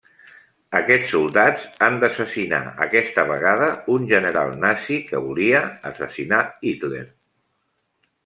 Aquests soldats han d'assassinar aquesta vegada un general nazi que volia assassinar Hitler.